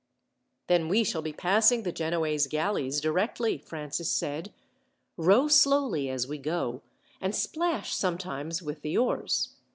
"Then we shall be passing the Genoese galleys, directly," Francis said. "Row slowly as we go, and splash sometimes with the oars.